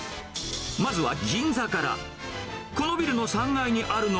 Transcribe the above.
まずは銀座から。